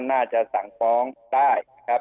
น่าจะสั่งฟ้องได้นะครับ